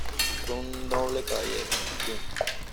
Fue un noble caballero, fin.